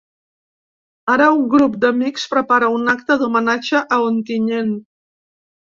Ara, un grup d’amics prepara un acte d’homenatge a Ontinyent.